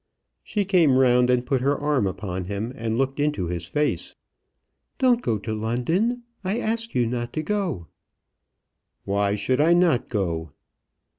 She came round and put her arm upon him, and looked into his face. "Don't go to London. I ask you not to go." "Why should I not go?"